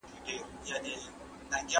د زوجينو تر منځ مشترک حقوق کوم دي؟